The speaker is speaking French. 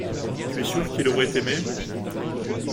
Tu es sûr qu’il aurait aimé.